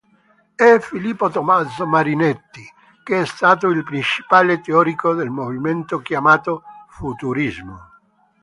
E Filippo Tommaso Marinetti che è stato il principale teorico del movimento chiamato Futurismo.